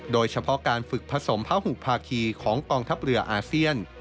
โดยเฉพาะการฝึกผสมพระหุภาคีของกองทัพเรืออาเซียน